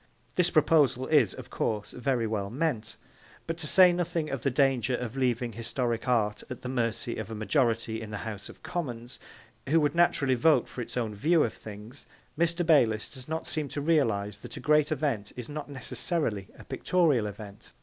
This proposal is, of course, very well meant, but, to say nothing of the danger of leaving historic art at the mercy of a majority in the House of Commons, who would naturally vote for its own view of things, Mr. Bayliss does not seem to realise that a great event is not necessarily a pictorial event.